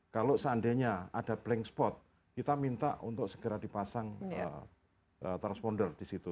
kalau seandainya ada blank spot kita minta untuk segera dipasang transponder di situ